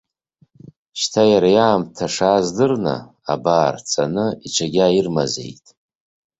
Шьҭа иара иаамҭа шааз дырны, абар, ҵаны, иҽагьааирмазеит.